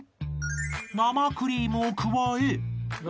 ［生クリームを加え］